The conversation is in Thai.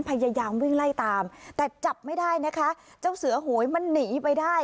พยายามวิ่งไล่ตามแต่จับไม่ได้นะคะเจ้าเสือโหยมันหนีไปได้